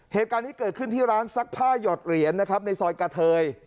เหตุการณ์นี้เกิดขึ้นที่ร้านซักผ้าหยอดเหรียญนะครับในซอยกะเทย